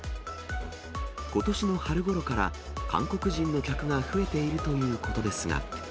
ことしの春ごろから韓国人の客が増えているということですが。